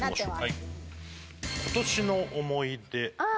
今年の思い出。